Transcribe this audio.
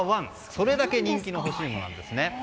それだけ人気の干し芋なんですね。